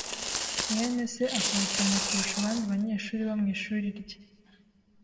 mwene se akora cyane kurusha abandi banyeshuri bo mu ishuri rye.